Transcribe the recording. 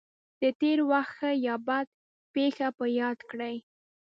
د تېر وخت ښه یا بده پېښه په یاد کړئ.